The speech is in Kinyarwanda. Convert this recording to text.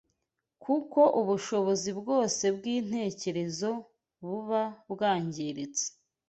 kuko ubushobozi bwose bw’intekerezo buba bwangiritse